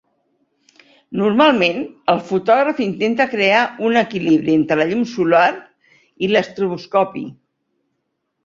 Normalment, el fotògraf intenta crear un equilibri entre la llum solar i l'estroboscopi.